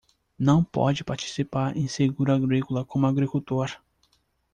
Não pode participar em seguro agrícola como agricultor